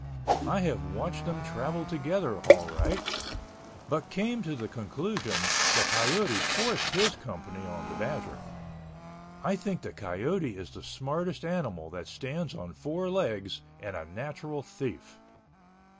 I have watched them travel together all right—but came to the conclusion the coyote forced his company on the badger. I think the coyote is the smartest animal that stands on four legs and a natural thief.